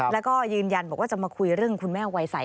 แล้วก็ยืนยันบอกว่าจะมาคุยเรื่องคุณแม่วัยใส